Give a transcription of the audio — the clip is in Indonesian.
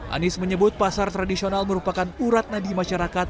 anies menyebut pasar tradisional merupakan urat nadi masyarakat